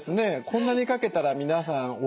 こんなにかけたら皆さんおしょうゆ